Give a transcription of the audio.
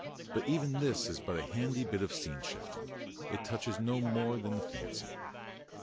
But even this is but a handy bit of scene shifting; it touches no more than the fancy.